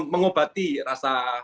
mengobati rasa keselamatan